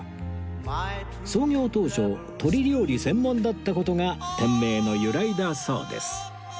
創業当初鳥料理専門だった事が店名の由来だそうです